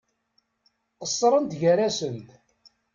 Qeṣṣrent gar-asent.